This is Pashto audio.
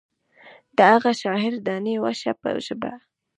د هغه شاعر دانې وشه په ژبه.